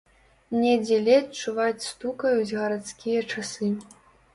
Недзе ледзь чуваць стукаюць гарадскія часы.